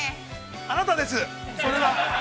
◆あなたです、それは。